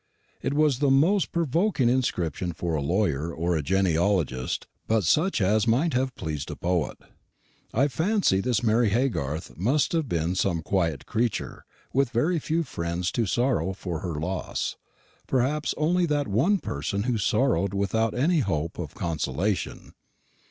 It was the most provoking inscription for a lawyer or a genealogist, but such as might have pleased a poet. I fancy this Mary Haygarth must have been some quiet creature, with very few friends to sorrow for her loss; perhaps only that one person who sorrowed without hope of consolation.